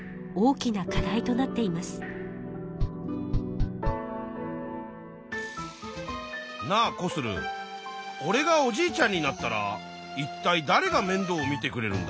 なあコスルおれがおじいちゃんになったらいったいだれがめんどうを見てくれるんだ？